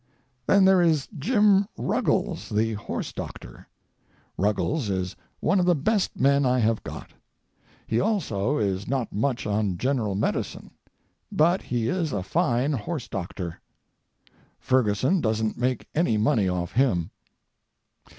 Then there is Jim Ruggles, the horse doctor. Ruggles is one of the best men I have got. He also is not much on general medicine, but he is a fine horse doctor. Ferguson doesn't make any money off him.